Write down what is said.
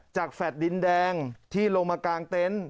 จากแฝดดินแดงที่ลงมากลางเต็นต์